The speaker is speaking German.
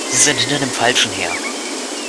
Sie sind hinter dem Falschen her!